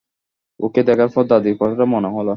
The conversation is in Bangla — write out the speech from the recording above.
ওকে দেখার পর দাদীর কথাটা মনে হলো।